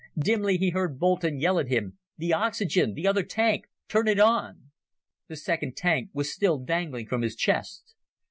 Dimly he heard Boulton yell at him, "The oxygen, the other tank, turn it on!" The second tank was still dangling from his chest.